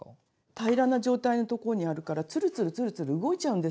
平らな状態のところにあるからツルツルツルツル動いちゃうんですよ